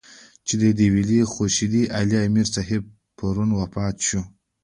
چې د دېولۍ خورشېد علي امير صېب پرون وفات شۀ